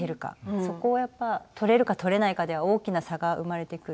そこはやっぱり取れるか取れないかでは大きな差が生まれてくる。